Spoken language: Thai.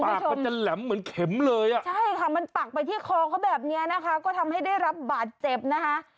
มันจะแหลมเหมือนเข็มเลยอ่ะใช่ค่ะมันปักไปที่คอเขาแบบนี้นะคะก็ทำให้ได้รับบาดเจ็บนะคะ